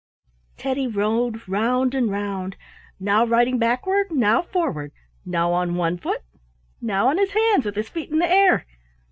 Teddy rode round and round, now riding backward, now forward, now on one foot, now on his hands with his feet in the air.